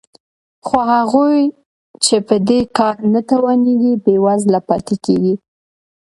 خو هغوی چې په دې کار نه توانېږي بېوزله پاتې کېږي